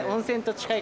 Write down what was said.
近い。